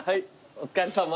お疲れさま。